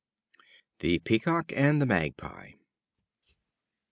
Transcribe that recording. The Peacock and the Magpie.